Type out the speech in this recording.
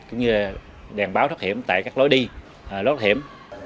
cũng như đèn báo thất hiểm tại các lối đi lối thất hiểm